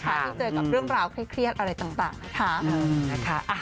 ที่เจอกับเรื่องราวเครียดอะไรต่างนะคะ